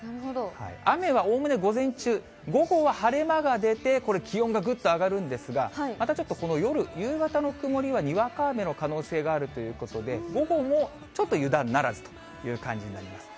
雨はおおむね午前中、午後は晴れ間が出て、これ、気温がぐっと上がるんですが、またちょっとこの夜、夕方の曇りはにわか雨の可能性があるということで、午後もちょっと油断ならずという感じになります。